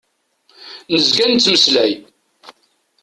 Nezga nettmeslay.